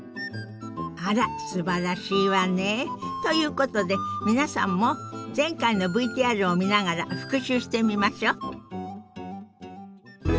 あらすばらしいわね。ということで皆さんも前回のＶＴＲを見ながら復習してみましょ。